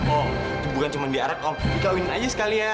om bukan cuma diarak om dikawin aja sekalian